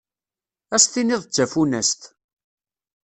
Ad s-tiniḍ d tafunast.